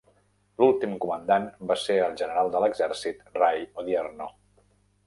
L'últim comandant va ser el general de l'exèrcit Ray Odierno.